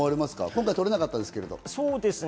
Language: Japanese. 今回取れなかったですけど。